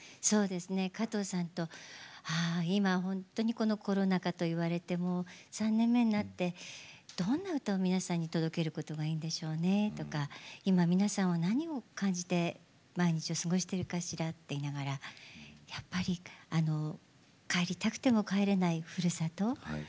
そうですね加藤さんとああ今ほんとにこのコロナ禍と言われてもう３年目になってどんな歌を皆さんに届けることがいいんでしょうねとか今皆さんは何を感じて毎日を過ごしてるかしらと言いながらやっぱり帰りたくても帰れないふるさと。